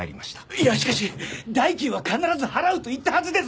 いやしかし代金は必ず払うと言ったはずです！